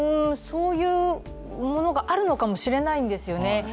そういうものがあるのかもしれないんですよね